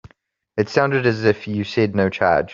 It sounded as if you said no charge.